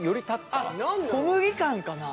あっ小麦感かな。